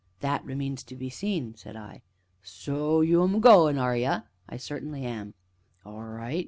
"That remains to be seen," said I. "So you 'm goin', are ye?" "I certainly am." "All right!"